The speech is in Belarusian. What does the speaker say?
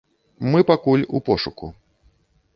Мы пакуль у пошуку.